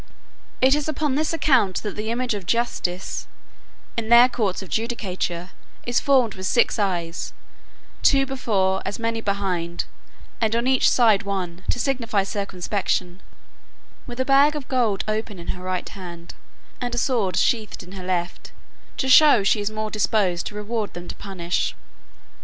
It is upon this account that the image of Justice, in their courts of judicature, is formed with six eyes, two before, as many behind, and on each side one, to signify circumspection; with a bag of gold open in her right hand, and a sword sheathed in her left, to show she is more disposed to reward than to punish.